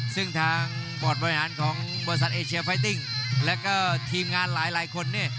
ซึ่งทางบอร์ดบริษัทเอเชียไฟติ้งและก็ทีมงานหลายคน